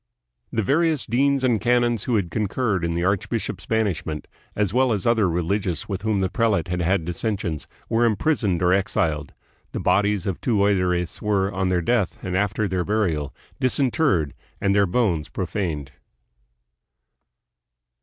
The various deans and canons who had concurred in the archbishop's banishment, as well as other religious with whom the prelate had .had dissensions, were imprisoned or exiled. The bodies of two oidores were, on their death and after their burial, disinterred and their bones pro faned.